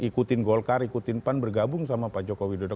ikutin golkar ikutin pan bergabung sama pak joko widodo